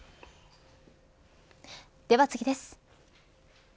では次です。